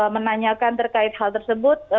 menanyakan terkait hal tersebut